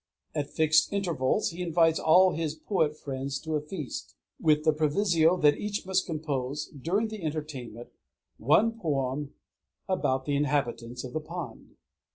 At fixed intervals he invites all his poet friends to a feast, with the proviso that each must compose, during the entertainment, one poem about the inhabitants of the pond.